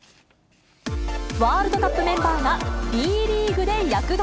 ワールドカップメンバーがＢリーグで躍動。